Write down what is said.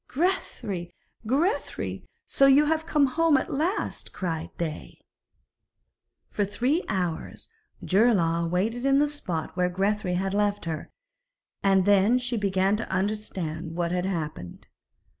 'Grethari! Grethari! So you have come home at last,' cried they. For three hours Geirlaug waited in the spot where Grethari had left her, and then she began to understand what had happened.